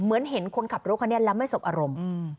เหมือนเห็นคนขับรถเขาเนี่ยแล้วไม่สบอารมณ์